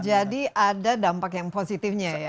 ada dampak yang positifnya ya